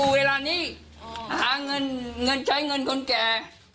เวลานี้หาเงินเงินใช้เงินคนแก่